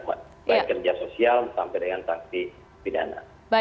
baik kerja sosial sampai dengan sanksi pidana